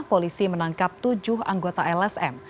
polisi menangkap tujuh anggota lsm